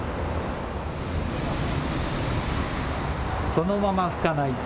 そのまま拭かない。